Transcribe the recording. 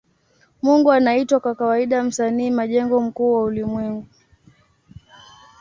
Mungu anaitwa kwa kawaida Msanii majengo mkuu wa ulimwengu.